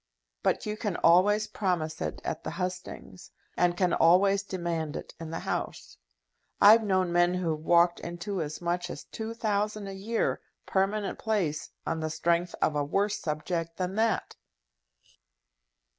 But you can always promise it at the hustings, and can always demand it in the House. I've known men who've walked into as much as two thousand a year, permanent place, on the strength of a worse subject than that!"